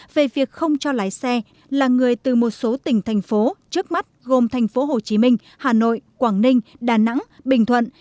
về việc không cho lái xe là người từ một số tỉnh thành phố trước mắt gồm thành phố hồ chí minh hà nội quảng ninh đà nẵng bình thuận